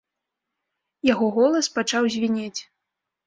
Яго голас пачаў звінець.